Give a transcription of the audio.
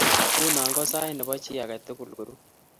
Nguno ko sait nebo chi age tugul ko ru